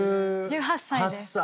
１８歳です。